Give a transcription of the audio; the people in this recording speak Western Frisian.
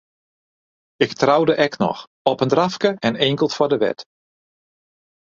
Ik troude ek noch, op in drafke en inkeld foar de wet.